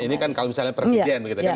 ini kan kalau misalnya presiden